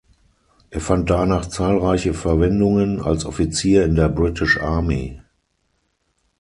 Er fand danach zahlreiche Verwendungen als Offizier in der British Army.